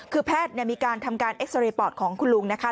คือแพทย์มีการทำการเอ็กซาเรย์ปอดของคุณลุงนะคะ